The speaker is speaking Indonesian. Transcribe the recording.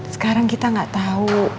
sekarang kita gak tau